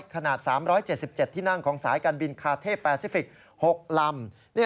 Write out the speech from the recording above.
ขนาด๓๗๗ที่นั่งของสายการบินคาเท่แปซิฟิกส์๖ลำ